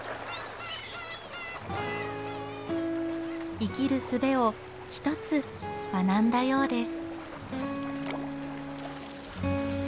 生きるすべを一つ学んだようです。